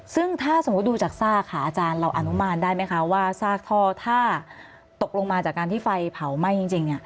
ซึ่งถ้าสมมุติดูจากซากค่ะอาจารย์เราอนุมานได้ไหมคะว่าซากท่อถ้าตกลงมาจากการที่ไฟเผาไหม้จริง